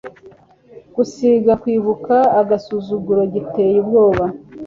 gusiga kwibuka agasuzuguro giteye ubwoba